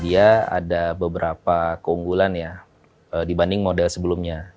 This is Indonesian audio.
dia ada beberapa keunggulan ya dibanding model sebelumnya